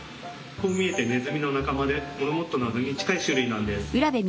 こう見えてネズミの仲間でモルモットなどに近い種類なんです。